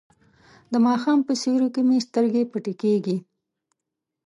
د ماښام په سیوري کې مې سترګې پټې کیږي.